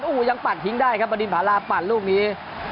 โอ้โหยังปัดทิ้งได้ครับบดินภาราปั่นลูกนี้